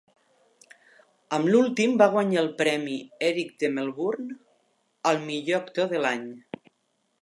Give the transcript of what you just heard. Amb l'últim va guanyar el Premi Erik de Melbourne al millor actor de l'any.